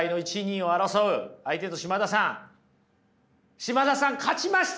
嶋田さん勝ちました！